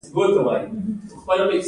هغه نشوای کولی په بل پانګوال ګران وپلوري